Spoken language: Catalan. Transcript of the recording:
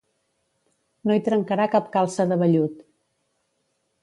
No hi trencarà cap calça de vellut.